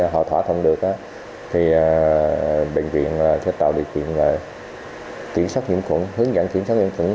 họ thỏa thuận được thì bệnh viện sẽ tạo địa kiểm và hướng dẫn kiểm soát nhiễm cứng